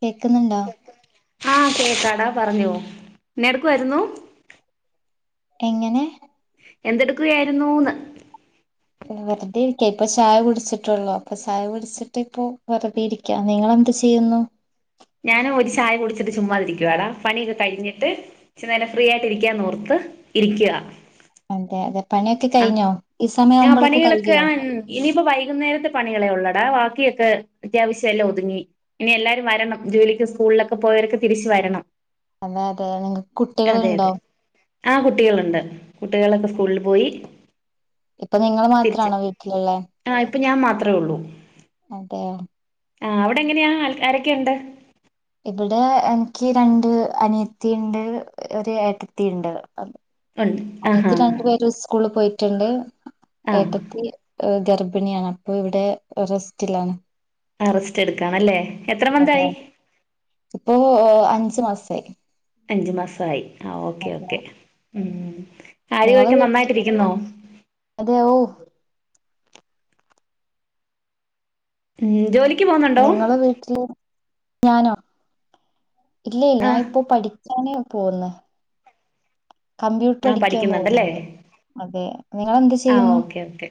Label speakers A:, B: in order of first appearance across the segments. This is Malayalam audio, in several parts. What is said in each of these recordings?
A: കേക്ക്ന്ന്ണ്ടോ
B: ആഹ് കേക്കാടാ പറഞ്ഞോ എന്നാഎടുകുയായിരുന്നു
A: എങ്ങനെ
B: എന്തെടുക്കുകയായിരുന്നൂന്
A: വെറുതെ ഇരിക്ക ഇപ്പൊ ചായ കുടിച്ചിട്ട്ള്ളു അപ്പചായ കുടിച്ചിട്ട് ഇപ്പ വെറുതെ ഇരിക്കാ നിങ്ങളെന്ത് ചെയ്യുന്നു
B: ഞാൻ ഒരു ചായ കുടിച്ചിട്ട് ചുമ്മാതിരിക്കുവാടാ പണിയൊക്കെ കഴിഞ്ഞിട്ട് കൊറച്ച് നേരം ഫ്രീ ആയിട്ട് ഇരിക്കാന്ന് ഓർത്ത് ഇരിക്ക്യാ
A: അതെ അതെ പണിയൊക്കെ
B: ആ
A: കഴിഞ്ഞോ ഈ സമയം
B: ആ
A: ആവുമ്പോളൊക്കെ
B: പണികളൊക്കെ
A: കഴിയോ
B: ആ ൺ ഇനിയിപ്പോ വൈകുന്നേരത്തെ പണികളെ ഉള്ളടാ ബാക്കി ബാക്കിയൊക്കെ അത്യാവശ്യല്ലാം ഒതുങ്ങി ഇനി എല്ലാരും വരണം ജോലിക്ക് സ്കൂളിലൊക്കെ പോയവരൊക്കെ തിരിച്ച് വരണം.
A: അതെ അതെ നിങ്ങക്ക്
B: അതെ
A: കുട്ടികളുണ്ടോ
B: അതെ ആ കുട്ടികള്ണ്ട് കുട്ടികളൊക്കെ സ്കൂളിൽ പോയി
A: ഇപ്പ നിങ്ങള്
B: തിരിച്ച്
A: മാത്രാണോ വീട്ടില്ള്ളെ
B: ആ ഞാൻ മാത്രെ ഉള്ളൂ
A: അതെയോ
B: ആഹ് അവിടെ എങ്ങനെയാ ആരൊക്കെണ്ട്
A: ഇബ്ടെ എനിക്ക് രണ്ട് അനിയത്തീണ്ട് ഒരു ഏട്ടത്തീണ്ട് അബ്
B: ഉണ്ട് ആഹാ
A: [unintelligible] രണ്ടു പേര് ഉസ്കൂള് പോയി ട്ടുണ്ട്
B: ആഹ്
A: ഏട്ടത്തി ഗർഭ പിണിയാണ് അപ്പൊ ഇവിടെ റെസ്റ്റിലാണ്
B: ആ റേസ്റ്റ് എടുക്കാണല്ലേ എത്ര
A: അതെ
B: മന്തായി?
A: ഇപ്പോ ഏഹ് അഞ്ചു മാസായി
B: അഞ്ച് മാസമായി ആ ഓക്കെ
A: അതെ
B: ഓക്കെ ഉം
A: നിങ്ങളെ
B: കാര്യവുമൊക്കെ
A: വീട്ടിൽ
B: നന്നായിട്ടിരിക്കുന്നോ
A: അതെ ഓ
B: ഉം, ജോലി
A: നിങ്ങള് വീട്ടില് ഞാനോ ഇല്ല,
B: ആ
A: ഞാൻ ഇപ്പോ പഠിക്കാനേ പോന്ന് കമ്പ്യൂട്ടറ്
B: ആ
A: പഠിക്കാൻ
B: പഠിക്കുന്നുണ്ടല്ലേ
A: പോവുന്നുണ്ട് അതെ നിങ്ങളെന്ത്
B: ആ
A: ചെയ്യുന്നു?
B: ഓക്കെ ഓക്കെ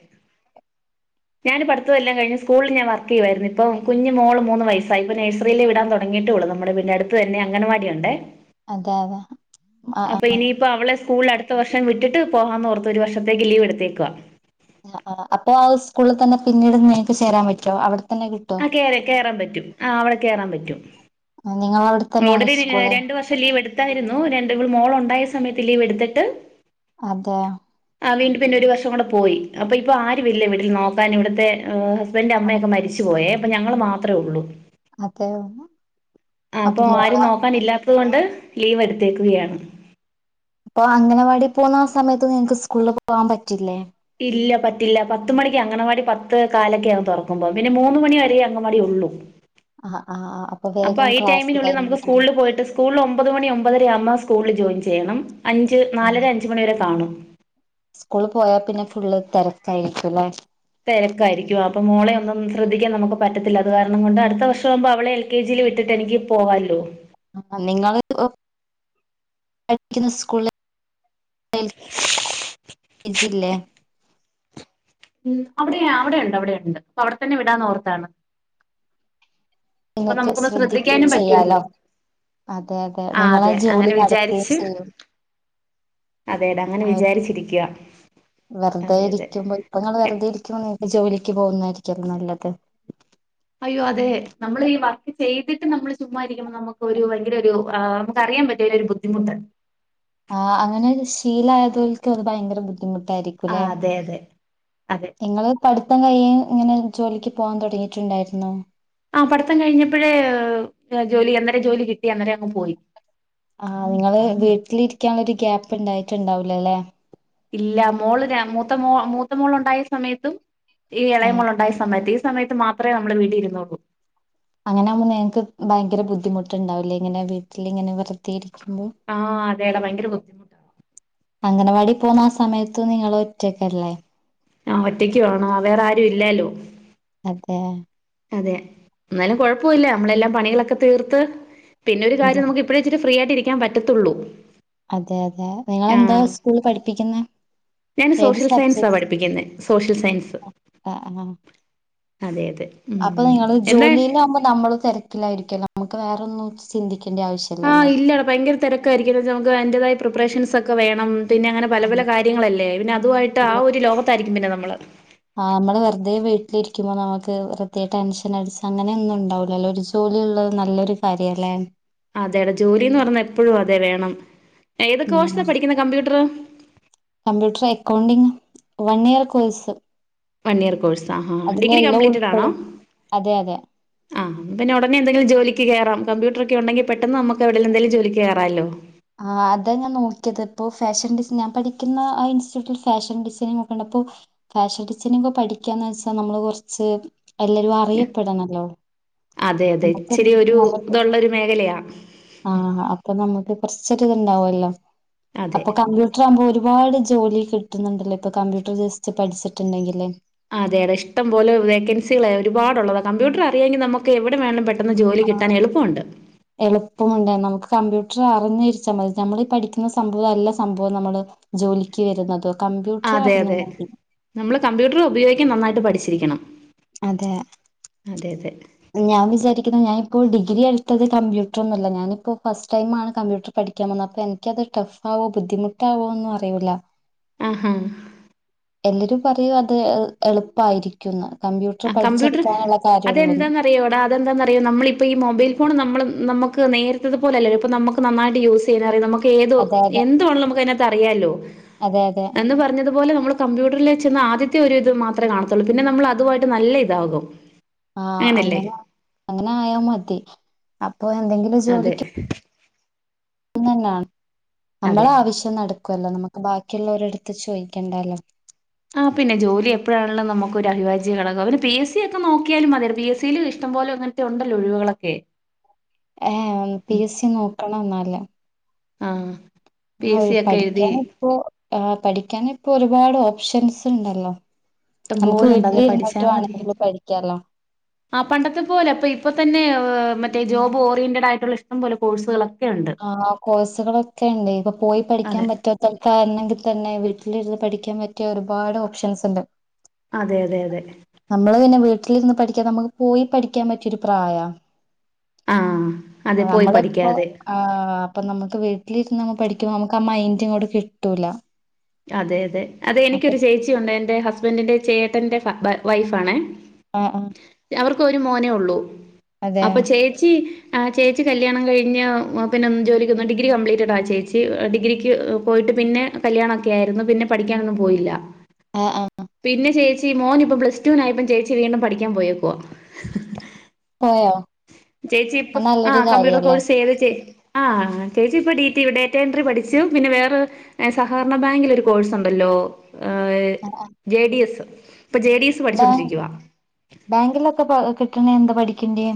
B: ഞാൻ പഠിത്തവെല്ലാം കഴിഞ്ഞ് സ്കൂളിൽ ഞാൻ വർക്ക് ചെയ്യുവായിരുന്നു, ഇപ്പം കുഞ്ഞ് മോള് മൂന്ന് വയസ്സായി, ഇപ്പോ നഴ്സറിയില് വിടാൻ തൊടങ്ങിയിട്ടുള്ളൂ, നമ്മുടെ വീടിൻറെ അടുത്ത് തന്നെ അംഗൻവാടിയൊണ്ടേ.
A: അതെ അതെ ആ ആ ആ
B: ഇനിയിപ്പോ അവളെ സ്കൂളിൽ അടുത്ത വർഷം വിട്ടിട്ട് പോഹാന്ന് ഓർത്ത് ഒരു വർഷത്തക്ക് ലീവ് എടുത്ത്. ത്തേക്കുവാ
A: ആ, അപ്പൊ ആ സ്കൂളിൽ തന്നെ പിന്നീട് നിങ്ങക്ക് ചേരാൻ പറ്റുവോ അവിടെ തന്നെ കിട്ടോ
B: ആ കേറാ കേറാൻ പറ്റും ആ അവിടെ കേറാൻ പറ്റും. [unintelligible]
A: നിങ്ങളവിടെ തന്നെയാണോ
B: ഓൾറെഡി ഒരു
A: സ്കൂള്
B: രണ്ടു വർഷം ലീവ് എടുത്തായിരുന്നു രണ്ട്‌ ഇവൾ മോളുണ്ടായ സമയത്ത് ലീവ് എടുത്തിട്ട്
A: അതാ
B: ആ വീണ്ടും പിന്നെ ഒരു വർഷം കൂടെ പോയി, അപ്പോ ഇപ്പം ആരും ഇല്ല വീട്ടിൽ നോക്കാൻ ഇവിടുത്തെ ഹസ്ബ ൻന്റെ അമ്മയൊക്കെ മരിച്ചുപോയേ ഞങ്ങൾ മാത്രേ ഉള്ളൂ
A: അതെ
B: ആ അപ്പൊ ആരും നോക്കാനില്ല അതുകൊണ്ട് ലീവ് എടുത്തേക്കുകയാണ്.
A: അപ്പൊ അംഗനവാടി പോന്ന ആ സമയത്ത് നിങ്ങക്ക് സ്കൂളിൽ പോവാൻ പറ്റില്ലേ
B: ഇല്ല, പറ്റില്ല പത്ത് മണിക്ക് അംഗൻവാടി പത്ത്കാലൊക്കെ ആകുംതൊറക്കുമ്പോ, പിന്നെ മൂന്നു മണി വരെ അംഗൻവാടി ഒള്ളു.
A: ആ ആ ആ
B: അപ്പൊ
A: വേഗം
B: ഈ
A: ക്ലാസ്
B: ടൈമിനുള്ളിൽ
A: കഴിഞ്ഞ്
B: നമുക്ക്
A: വരുമല്ലേ
B: സ്കൂളിൽ പോയിട്ട് സ്കൂളിൽ ഒമ്പത് മണി ഒമ്പതര ആവുമ്പൊ സ്കൂളിൽ ജോയിൻ ചെ [unintelligible] അഞ്ച്
A: ആ
B: നാലര അഞ്ച് മണിവരെ കാണും
A: ക്കാരികുല്ലേ
B: തെരക്കാരിക്കും ആ പ്പൊ മോളെ ഒന്നും ശ്രദ്ധിക്കാൻ നമുക്ക് പറ്റത്തില്ല അത് കാരണം കൊണ്ട് അടുത്ത വർഷമ്പോ അവളെ എൽ കെ ജിയിൽ വിട്ടിട്ട് എനിക്ക് പോവാല്ലോ
A: ആ നിങ്ങള് പഠിക്കുന്ന സ്കൂ [unintelligible] ച്ചില്ലേ
B: ഉം അവിടെ അവിടെണ്ട് അവിടെണ്ട് അപ്പൊ അവിടെ തന്നെ വിടാന്ന് ഓർത്തണ്
A: നിനക്ക് ശ്രദ്ധിക്കെയും
B: ശ്രദ്ധിക്കാനും
A: ചെയ്യാലോ
B: പറ്റുവല്ലോ
A: അതെ അതെ
B: ആ
A: നിങ്ങളാ ജോലി
B: അങ്ങനെ വിചാരിച്ച്
A: നടക്കെചെയ്യും
B: അതെടാ അങ്ങനെ
A: ആ
B: വിചാരിച്ചിരിക്കുക
A: വെറുതെ
B: അതെ അതെ
A: ഇരിക്കുമ്പോ ഇപ്പൊ നിങ്ങള്ൾ വെറുതെ ഇരിക്കു ന ജോലി ക് പോകുന്നതാരിക്ക നല്ലത്
B: അയ്യോ അതെ നമ്മൾ ഈ വർക്ക് ചെയ്തിട്ട് നമ്മള് ചുമ്മഇരിക്കുമ്പോ നമക്ക് ഒരു ഭയങ്കര ഒരു ആ നമുക്ക് അറിയാൻ പറ്റും ഒരു ബുദ്ധിമുട്ട്
A: ആ അങ്ങനെ ശീലായതോൽക്ക്ത് ഭയങ്കര ബുദ്ധിമുട്ട്
B: ആ
A: രിക്കല്ല
B: അതെ അതെ അതെ
A: നിങ്ങൾ പഠ മൊത്തം കഴും ഇങ്ങനെ ജോലിക്ക് പോകാൻ തുടങ്ങിയിട്ടുണ്ടായിരുന്നോ
B: ആഹ പഠത്തം കഴിഞ്ഞപ്പോഴേ ജോലി അന്നേരം ജോലി കിട്ടി അന്നേരം അങ്ങ് പോയി
A: ആഹ് നിങ്ങള് വീട്ടിലിരിക്കാനുള്ള ഒരു ഗ്യാപ്പ് ഉണ്ടായിട്ടുണ്ടാവൂലോല്ലെ
B: ഇല്ല മോള് മൂത്ത മോ മൂത്ത മോൾ ഉണ്ടായ സമയത്തും ഈ
A: ആ
B: ഇളയമുള ഉണ്ടായ സമയത്ത് സമയത്ത് മാത്രമേ നമ്മുടെ വീട് ഇരുന്നള്ളൂ
A: അങ്ങനെ ആുമ്പോ ങ്ങക്ക് ഭയങ്കര ബുദ്ധിമുട്ടുണ്ടാവില്ലേ ഇങ്ങനെ വീട്ടിൽിങ്ങനെ വൃത്തി
B: ആഹ അതെട ഭയങ്കര ബുദ്ധിമുട്ടാണ്
A: അംഗനവാടി പോുന്ന ആ സമയത്ത നിങ്ങള ഒറ്റക്കല്ലേ
B: ആഹ ഒറ്റയ്ക്ക് വേണ വേറെ ആരും ഇല്ലാലോ
A: അതെ
B: അതെ എന്നാലും കുഴപ്പമില്ല നമ്മളെല്ലാം പണികളൊക്കെ തീർത്ത് പിന്നെ ഒരു
A: അതെ.
B: കാര്ം നമുക്ക്വിടെ ഇരി ഫ്രിയ ആായിട്ട് ഇരിക്കാൻ പറ്റത്തുള്ളൂ
A: അതെ അതെ നിങ്ങളെന്താ സ്കൂളിൽ പഠിപ്പിക്കുന്ന
B: ഞാന് സോഷ്യൽ സയൻസാ പഠിപ്പിക്കുന്നത് സോഷ്യൽ സയൻസ്
A: ആ, ആ.
B: അതെ അതെ
A: അപ്പൊ
B: ഉം
A: നിങ്ങള്ൾ
B: എന്നാ
A: ജോലിയില ആകുമ്പോ നമ്മള് തിരക്കായിരിക്കല്ലോ നമക്ക് െ വേറെൊന്നന്ന് ചിന്തിക്കും
B: ആഹ് ഇല്ല ഭയങ്കര തിരക്കായിരിക്കും നമുക്ക് എന്റതായ പ്രിപ്പറേഷൻസ് ഒക്കെ വേണം പിന്നെ അങ്ങനെ
A: ആ,
B: പല പല കാര്യങ്ങളല്ലേ പിന്നെ അതുമായിട്ട് ആ
A: നമ്മ-
B: ഒരു ലോകത്തായിരിക്കും പിന്നെ നമ്മള്
A: ആ നമ്മള് വെറുതെ വീട്ടിലിരിക്കുമ്പോ നമുക്ക് വെറുതെ ടെൻഷൻ അടിച്ച് അങ്ങനെയൊന്നും ഉണ്ടാവൂലല്ലോ ഒരു ജോലി ഉള്ളത് നല്ലൊരു കാര്യ അല്ലേ
B: അതേടട ജോലിന്ന് പറഞ്ഞ എപ്പോഴും അതെ വേണം ഏത്
A: ഉം.
B: കോഴ്സാണ് പഠിക്കുന്ന computer
A: one year course
B: one year course ആഹ് ഡിഗ്രി കംപ്ലീറ്റഡ് ആണോ
A: ഉൾപ്പെടും. അതെ, അതെ.
B: ആഹ് പിന്നെ ഉടനെ എന്തെിങ്കിലും ജോലിക്ക് കയറാൻ കമ്പ്യൂട്ടൊക്കെ ഉണ്ടെങ്കിൽ പെട്ടന്ന് നമുക്ക് എവിടെങ്കിലും ജോലിക്ക് കയറാലോ
A: അപ്പോൾ ഫാഷൻ ഡിസൈൻ ഞാൻ പഠിക്കുന്ന ആ ഇൻസ്റ്റിറ്റ്യൂട്ടിൽ ഫാഷൻ ഡിസൈനിങ് ഒക്കെ ഉണ്ട് അപ്പോൾ ഫാഷൻ ഡിസൈനിങ്ങൊക്ക പഠിക്കാന്ന് വെച്ചാൽ നമ്മൾ കുറച്ച് എല്ലാവരും അറിയപ്പെടണമല്ലോ
B: അതെ അതെ ഇച്ചിരി ഒരു ഇതൊള്ളൊരു മേഖലയാണ്
A: ആഹ് അപ്പൊ നമ്മുക്ക് കുറച്ചൊരു ഇത് ഉണ്ടാവുമല്ലോ
B: അതെ
A: അപ്പൊ കമ്പ്യൂട്ടർ ആവുമ്പോ ഒരു ഒരുപാട് ജോലി കിട്ടുന്നുണ്ടല്ലോ ഇപ്പ കമ്പ്യൂട്ടർ ജസ്റ്റ് പഠിച്ചിട്ടുണ്ടെങ്കില്.
B: അതെ അതെ ഇഷ്ടം പോലെ വേക്കൻസികളെ ഒരുപാടുള്ളത കമ്പ്യൂട്ടർ അറിയാങ്കിൽ നമുക്ക് എവിടെ വേണങ്കിലും പഠി
A: എളുപ്പമുണ്ട് നമുക്ക് കമ്പ്യൂട് അറിഞ്ഞരിച്ചാൽ മതി നമ്മൾ പഠിക്കുന്ന സംഭവം അല്ല സംഭവം നമ്മള് ജോലിക്ക് വരുന്നത്.
B: അതെ അതെ നമ്മള് കമ്പ്യൂട്ടർ ഉപയോഗിക്കും നന്നായിട്ട് പഠിച് രിക്കണം.
A: അതെ
B: അതെ അതെ.
A: ഞാൻ വിചാരിക്കുന്ന ഞാനിപ്പോ ഡിഗ്രി എടുത്തത് കമ്പ്യൂട്ടർ ഒന്നുമല്ല ഞാനിപ്പോ ഫസ്റ്റ് ടൈമാണ് കമ്പ്യൂട്ടർ പഠിക്കാൻ വന്നത് അപ്പൊ എനിക്കത് ടഫ് ആവോ ബുദ്ധിമുട്ടാവോ എന്നൊന്നും അറിയൂല.
B: ആഹ് ആഹ്
A: എല്ലരും പറയും അത് എ എളുപ്പായിരിക്കും ന്ന്. കമ്പ്യൂട്ടർ പഠിച്ചെടുക്കാനുള്ള കാര്യള്ളൂന്ന്.
B: അറിയോട അതന്താന്നറിയോ നമ്മളിപ്പോ ഈ മൊബൈൽ ഫോണ് നമ്മൾ നമ്മക്ക് നേരത്തത് പോലല്ലോ ഇപ്പോ നമ്മുക്ക് നന്നായിട്ട് യൂസ് ചെയ്യാറിയാലോ നമുക്ക് ഏതോ
A: അതെ അതെ
B: എന്ത് വേണോലും നമുക്ക് അതിനകത്ത് അറിയാല്ലോ
A: അതെ അതെ
B: എന്ന് പറഞ്ഞതു പോലെ നമ്മൾ കമ്പ്യൂട്ടറിൽ ചെന്ന് ആദ്യത്തെ ഒരു ഇത് മാത് കാണത്തുള്ളൂ പിന്നെ നമ്മൾ അതുമായി നല്ല ഇതാകും.
A: ആഹ്
B: അങ്ങനല്ലേ
A: അങ്ങനെ അങ്ങനെ ആയ മതി. ആഹ് അപ്പൊ എന്തെങ്കിലും
B: അതെ
A: ജോലിക്ക് അങ്ങനെ തന്നാണ് നമ്മള
B: അതെ
A: ആവശ്യം നടക്കുവല്ലോ നമുക്ക് ബാക്കിയുള്ളവരടുത്ത് ചോദിക്കണ്ടല്ലോ.
B: ആഹ് പിന്നെ ജോലി എപ്പോഴാണേലും നമുക്ക് ഒരു അവിഭാജ്യഘടക. ഒരു പി എസ് സി ഒക്കെ നോക്കിയാലും മതി പി എസ് സിൽ ഇഷ്ടം പോലെ അങ്ങനത്തെ ഉണ്ടല്ലോ ഒഴിവുകളൊക്കെ.
A: ഏഹ് ഹും
B: ഉം
A: പി എസ് സി നോക്കണം എന്നാല്.
B: ആഹ് പി
A: ആ
B: എസ്
A: ഒരു
B: സി ഒക്കെ എഴുതി
A: പഠിക്കാന്
B: ഇഷ്ടം
A: ഇപ്പോ ആഹ്. പഠിക്കാൻ ഇപ്പൊ ഒരുപാട് ഓപ്ഷൻസ് ഉണ്ടല്ലോ.
B: ഇഷ്ട്ടം
A: നമുക്ക്
B: പോലുണ്ട് അതെ പഠിച്ചാ
A: വീട്ടിലിരുന്നിട്ട്
B: മതി
A: വേണെങ്കില് പഠിക്കാലോ
B: ആ പണ്ടത്തെ പോലെ അപ്പൊ ഇപ്പൊ തന്നെ മ മറ്റെ ജോബ് ഓറിയന്റെടായിട്ടുള്ള ഇഷ്ടംപോലെ കോഴ്സുകളൊ
A: ആ കോഴ്സുകളൊക്കെയുണ്ട്. ഇപ്പൊ പോയി പഠിക്കാൻ
B: അതെ
A: പറ്റാത്തടുത്തു ആയിരു തന്നെ വീട്ടിലിരുന്ന് പഠിക്കാൻ പറ്റിയ ഒരുപാട് ഓപ്ഷൻസ് ഉണ്ട്.
B: അതെ അതെ അതെ.
A: നമ്മള് പിന്നെ വീട്ടിലിരുന്ന് പഠിക്കാ നമുക്ക് പോയി പഠിക്കാൻ പറ്റിയൊരു പ്രായ
B: ആഹ് അതെ പോയി പഠിക്കാതെ.
A: ആ അപ്പൊ നമുക്ക് വീട്ടിലിരുന്ന് പഠിക്കുമ്പോ നമുക്ക് ആ മൈൻഡ് ഇങ്ങോട്ട് കിട്ടൂല.
B: അതെ-അതെ-അതെ
A: അപ്പൊ
B: എനിക്കൊരു ചേച്ചിയൊണ്ട് എന്റെ ഹസ്ബൻഡി ചേട്ടന്റെ ഫ വൈഫാണെ
A: ആ ആ
B: ക്ക് ഒരു മോനെ ഉള്ളൂ അപ്പൊ ചേച്ചി ആ ചേച്ചി കല്യാണം കയിഞ്ഞ് അപിന്നെ ജോലിക്കൊന്നും ഡിഗ്രി കംപ്ലീറ്റഡ ചേച്ചി ഡിഗ്രിക്ക് പോയിട്ട് പിന്നെ കല്യാണ- ക്കാരുന്നു പിന്നെ പഠിക്കാനൊന്നും പോയില്ല
A: ആഹ് ആഹ്
B: പിന്നെ ചേച് ചി മോന് ഇപ്പം പ്ലസ്ടുവിനായപ്പം ചേച്ചി വീണ്ടും പഠിക്കാൻ പോയേക്കുവാ.
A: പോയോ
B: ചേച്ചി ഇപ്പ
A: അത് നല്ലൊരു
B: ആന് കമ്പ്യൂട്ടർ
A: കാര്യല്ലേ
B: കോഴ്സ് ചെയ്ത്. ചേ ആ ചേച്ചി ഇപ്പൊ ഡി ടീവിടെ ഡേറ്റ എൻട്രി പഠിച്ചു പിന്നെ വേറെ സഹകരണ ബാങ്കിൽ ഒരു കോഴ്സ് ഉണ്ടല്ലോ ജെ ഡി എസ് ഇപ്പൊ ജെ ഡി എസ്
A: ബാങ്
B: പഠിച്ചോണ്ടിരിക്കുവാ
A: ബാങ്കിലൊക്കെ പ്പ കി ട്ട്ണേ എന്താ പഠിക്കണ്ടേ?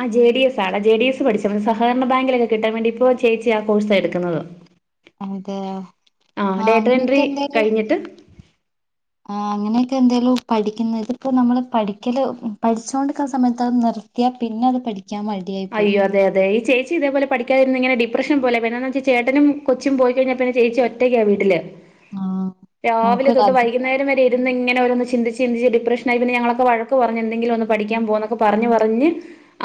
B: ആ ജെ ഡി എസ് ആണ്. ജെ ഡി എസ് പഠിച്ചാമതി. സഹകരണ ബാങ്കിലൊക്കെ കിട്ടാൻ വേണ്ടി ഇപ്പോ ചേച്ചി ആ കോഴ്സാ എടുക്കുന്നത്.
A: അതെയോ ആ
B: ഡേറ്റ എൻട്രി
A: അങ്ങന്യൊക്കെ എന്തേലും
B: കഴിഞ്ഞിട്ട്
A: ആ അങ്ങനെയൊക്കെ എന്തേലും പഠിക്കുന്നത് ഇതിപ്പം നമ്മള് പഠിക്കല് പഠിച്ചോണ്ട്ക്ണ സമയത്ത് അത് നിർത്തിയ പിന്നെ അത് പഠി
B: അയ്യോ അതെ അതെ ചേച്ചി ഇതേപോലെ പഠിക്കാതിരുന്ന് ഇങ്ങനെ ഡി പ്രെഷൻപോലെ പിന്നെന്താന്നുവെച്ച ചേട്ടനും കൊച്ചും പോയിക്കഴിഞ്ഞാൽ പിന്നെ ചേച്ചി ഒറ്റക്കാ വീട്ടില്.
A: ആ
B: രാവിലെ
A: നമുക്ക്
B: തൊട്ട് വൈകുന്നേരം വരെ ഇരിന്നു ഇങ്ങനെ ഓരോന്ന് ചിന്തിച്ച് ചിന്തിച്ച് ഡിപ്രെഷനായി പിന്നെ ഞങ്ങളൊക്കെ വഴക്ക് പറഞ്ഞ് എന്തെങ്കിലുമൊന്നു പഠിക്കാൻ പോ ന്ന് ഒക്കെ പറഞ്ഞ് പറഞ്ഞ്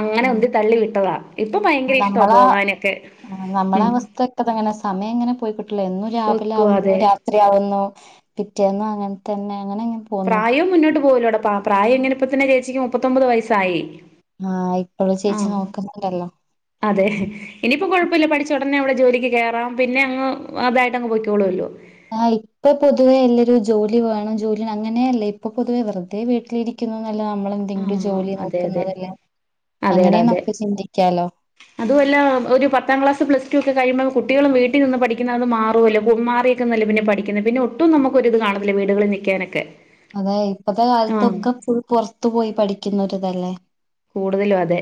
B: അങ്ങനെ
A: ഉം
B: ഉന്തി തള്ളി വിട്ടതാ ഇപ്പം ഭയങ്കര ഇഷ്ടവാ
A: നമ്മളാ
B: പോകാനൊക്കെ ഉം
A: ഇങ്ങനെ പോയിക് ട്ട്ലേ. എന്നും രാവിലെ
B: പൊയ്ക്കോ
A: ആവുന്നു
B: അതെ
A: രാത്രി ആവുന്നു പിറ്റേന്നു അങ്ങനെ തന്നെ അങ്ങനെ അങ്ങനെ പോന്നു
B: പ്രായോം മുന്നോട്ട് പോവലോ ന്ന പാ പ്രായെങ്ങനെപ്പത്തന്നെ ചേച്ചിക്ക് മുപ്പത്തൊമ്പത് വയസ്സായി
A: ആ ഇപ്പഴും ചേച്ചി
B: ആഹ്
A: നോക്കുന്നുണ്ടല്ലോ
B: പിന്നെ അവിടെ ജോലിക്ക് കേറാം പിന്നെ അങ്ങ് അതായിട്ടങ്ങ്പോയ്കോളു അല്ലോ
A: ആ ഇപ്പ പൊതുവെ എല്ലരുജ് - ജോലി വേണം ജോലി അങ്ങനെയല്ല ഇപ്പൊ പൊതുവെ വെറുതെ വീട്ടിലിരിക്കുന്നു ല്ല നമ്മള എന്തെങ്കിലും
B: ആഹ്
A: ജോലി
B: അതെ അതെ
A: നോക്കുന്നതല്ലേ അങ്ങനെ നമുക്ക് ചിന്തിക്കാലോ
B: അതും അല്ല ഒരു പത്താം ക്ലാസ് പ്ലസ് ടു ഒക്കെ കഴിയുമ്പോ കുട്ടികളും വീട്ടിൽ നിന്ന് പഠിക്കുന്ന അത് മാറുമല്ലേ മാറിയക്കുന്നല്ല പിന്നെ പഠിക്കുന്നത് പിന്നെ ഒട്ടും നമുക്ക് ഒരിത് കാണുല്ല വീടുകളിൽ നിക്കാനൊക്കെ
A: അതെ ഇപ്പത്തെ കാലത്തൊക്കെ ഫുൾ പുറത്തു പോയി പഠിക്കുന്ന തല്ലേ
B: കൂടുതലും അതെ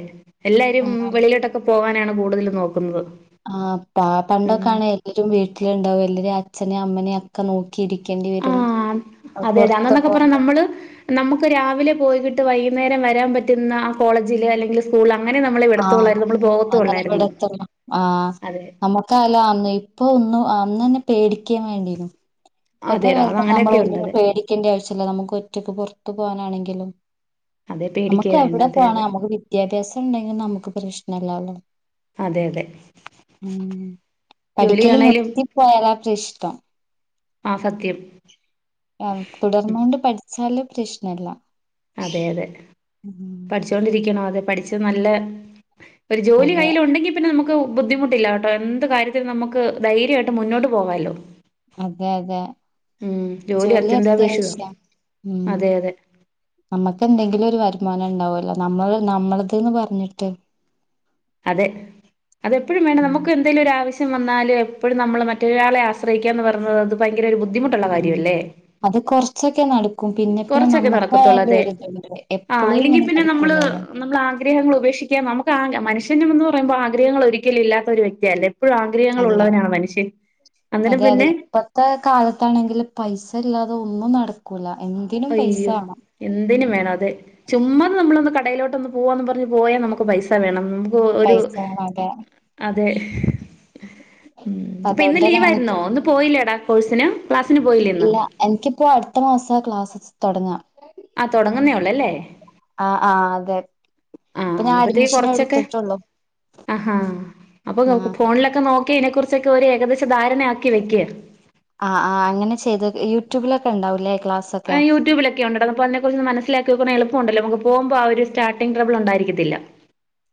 B: എല്ലാരും
A: ആഹ്
B: വെളിയിലോട്ടൊക്കെ പോവാനാണ് കൂടുതൽ നോക്കുന്നത്
A: ആഹ് പണ്ടൊക്കെ
B: ഉം
A: ആണേ എല്ലരും വീട്ടിലുണ്ടാവും ലിര് അച്ഛനേ അമ്മനേം ഒക്കെ നോ
B: ആഹ് അതെ അതെ
A: പുറത്ത്
B: അന്നൊന്നൊക്കെ
A: പോ
B: പറഞ്ഞ നമ്മള് നമുക്ക് രാവിലെ പോയികിട്ട് വൈയ്യുന്നേരം വരാൻ പ റ്റുന്ന ആ കോളേജില് അല്ലെങ്കിൽ സ്കൂളിലാ
A: ആഹ് അങ്ങനെ ഇവിടെത്തന്നെ ആഹ്
B: അതെ
A: നമ്മക്കല്ല അന്ന് ഇ ഇപ്പൊ ഒന്നും അന്നന്നെ പേടിക്കേം വേണ്ടേർന്നു ഇപ്പത്തെ
B: അതെടാ അത്
A: കാലത്ത് നമ്മൾ
B: അങ്ങനെയൊക്കെ ഉണ്ട്
A: ഒന്നിനും
B: അതെ
A: പേടിക്കേണ്ട ആവശ്യല്ല നമുക്ക് ഒറ്റക്ക് പൊറ ത്ത് പോവാനാണെങ്കിലും
B: അതെ പേടിക്കേ
A: നമുക്ക്
B: വേണ്ട
A: എവിടെ
B: അതെ
A: പോണം
B: അതെ
A: നമുക്ക് വിദ്യാഭ്യാസം ഇണ്ടെങ്കിൽ നമുക്ക് പ്രശ് നല്ലാലോ
B: അതെ അതെ
A: ഉം പഠിക്കല്
B: ജോലിയാണേലും
A: നിർത്തി പോയാലാ ഇഷ്ടം
B: ആ സത്യം
A: ആ തുടർന്നൊണ്ട് പഠിച്ചാല- ഇഷ്ട്ടം അല്ല
B: അതെ അതെ പഠിച്ചുകൊണ്ടിരിക്കണോ അതെ പഠിച്ച നല്ല- ഒരു ജോലി
A: അതെ
B: കയ്യിൽ ഉണ്ടെങ്കി പിന്നെ നമുക്ക്- ബുദ്ധിമുട്ടില്ല കേട്ടോ എന്ത് കാര്യത്തിനും നമുക്ക് ധൈര്യമായിട്ട് മുന്നോട്ട് പോകാലോ
A: അതെ അതെ ജോലി അത്യാവശ്യ ഉം
B: അതെ അതെ
A: നമ്മക്കെന്തെങ്കിലും ഒരു വരുമാനം ഉണ്ടാവ അല്ല നമ്മള് നമ്മളത് ന്ന് പറഞ്ഞിട്ട്
B: അതെ, അതെപ്പഴും വേണ്ട,
A: ഉം
B: നമുക്ക് എന്തേലും ഒരാവിശ്യം വന്നാല് എപ്പഴും നമ്മള് മറ്റൊരാളെ ആശ്രയിക്യാ എന്ന് പറയുന്നത് അത് ഭയങ്കര ഒരു ബു ദ്ധിമുട്ടുള്ള
A: ഉം
B: കാര്യവല്ലേ,
A: അത് കൊറച്ചൊക്കെ നടക്കും പിന്നെ പിന്നെ
B: കൊറച്ചൊക്കെ നടക്കത്തൊള്ളൂ
A: നമ്മക്കായാലും
B: അതെ,
A: ഒരിതുണ്ട്
B: ആഹ്
A: എപ്പളും
B: ഇല്ലെങ്കി
A: ഇങ്ങനെ
B: പിന്നെ നമ്മള്
A: നടക്കൂലല്ലോ
B: നമ്മളാഗ്രഹങ്ങള് ഉപേക്ഷിക്കാം നമുക്ക് ആഗ്രഹ മനുഷ പിന്നെമെന്ന് പറയുമ്പോ ആഗ്രഹങ്ങളൊരിക്കലും ഇല്ലാത്ത ഒരു വ്യക്തിയല്ലേ
A: അല്ല,
B: അന്നേരം
A: അതെ അതെ
B: പിന്നെ
A: ഇപ്പത്തെ കാലത്താണെങ്കില് പൈസല്ലാതെ ഒ ഒന്നും നടക്കൂല. എന്തിനും പൈസ
B: അയ്യോ,
A: വേണം.
B: എന്തിനും വേണം അതെ ചുമ്മാ നമ്മളൊന്ന് കടയിലോട്ട് ട്ടൊന്ന് പോവാണെന്നും പറഞ്ഞ് പോയാ നമുക്ക് പൈസ വേണം.
A: പൈസ വേണം അതെ.
B: തെ ഹ്മ്മ്, പ്പോ ഇന്ന്
A: അതുകൊണ്ട്
B: ലീവായിരുന്നോ
A: നമുക്ക്
B: ഇന്ന് പോയില്ലേടാ കോഴ്‌സിന്
A: ഇല്ല എൻക്കിപ്പോ അടുത്ത മാസം സാ ക്ലാസസ് തുടങ്ങ.
B: ആ തൊടങ്ങുന്നേയൊള്ളല്ലേ,
A: ആഹ് ആഹ് അതെ ഇപ്പൊ
B: ആഹ്
A: ഞാൻ
B: പതിയെ
A: അഡ്മിഷൻ
B: കൊറച്ചൊക്കെ,
A: എടുത്തിട്ടുള്ളൂ
B: ആഹാ അപ്പൊ
A: ആഹ്
B: നോക്ക് ഫോണിലൊക്കെ നോക്ക ക്കി ഇതിനെ കുറിച്ചൊക്കെ ഒരു ഏകദേശ ധാരണയാക്കി വെക്ക് ക്കെ
A: ആഹ് ആഹ്, അങ്ങനെ ചെയ്തത് യൂട്യൂബിലൊക്കെ ഇണ്ടാവൂലേ
B: ആ യൂട്യൂബിലൊക്കെണ്ടട, അപ്പോ അതിനെ മനസ്സിലാക്കി വെക്കണേ എളുപ്പവൊണ്ടല്ലോ നമുക്ക് പോകുമ്പോ ആ ഒരു സ്റ്റാർട്ടിംഗ് ട്രബിൾ ഉണ്ടായിരിക്കത്തില്ല.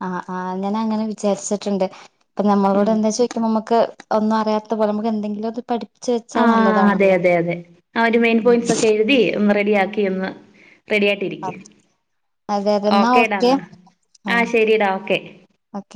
A: ആഹ് ആ അങ്ങനെ അങ്ങനെ വിചാരിച്ചിട്ടുണ്ട്. അപ്പ നമ്മളോട്
B: ഉം
A: എന്താ ചോയിക്കാ നമുക്ക് ഒന്നും അറിയാത്ത പോലെ നമുക്ക് എന്തെങ്കിലും ഒന്ന് പഠി
B: ആഹ് അതെ, അതെ, അതെ ആ ഒരു മെയിൻ
A: ഉം.
B: പോയിന്റ്സൊക്കെ എഴുതി ഒന്ന് റെഡിയാക്ക് എന്ന്. റെഡി ആയിട്ട് ഇരിക്ക്.
A: അതെ അതെ എന്നാ
B: ഓക്കേടാ
A: ഓക്കെ
B: എന്നാ ആ
A: ആഹ്
B: ശരിടാ ഓക്കെ.
A: ഓക്കെ